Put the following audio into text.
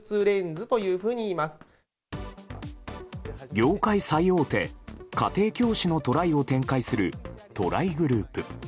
業界最大手家庭教師のトライを展開するトライグループ。